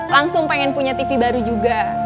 langsung pengen punya tv baru juga